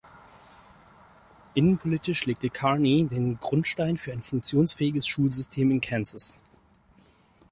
Innenpolitisch legte Carney den Grundstein für ein funktionsfähiges Schulsystem in Kansas.